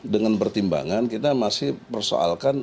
dengan pertimbangan kita masih persoalkan